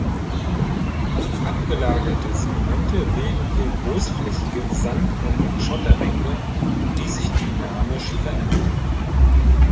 Abgelagerte Sedimente bilden hier großflächige Sand- und Schotterbänke, die sich dynamisch verändern.